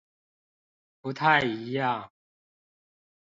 不太一樣